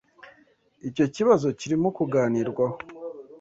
Icyo kibazo kirimo kuganirwaho.